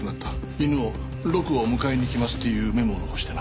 犬を「ロクをむかえに行きます」っていうメモを残してな。